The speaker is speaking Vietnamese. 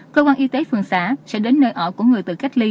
cơ quan y tế phường xã sẽ đến nơi ở của người tự cách ly